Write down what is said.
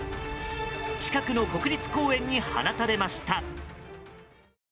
近くの国立公園に放たれました。